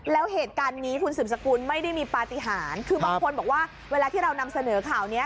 แล้วเหตุการณ์นี้คุณสืบสกุลไม่ได้มีปฏิหารคือบางคนบอกว่าเวลาที่เรานำเสนอข่าวนี้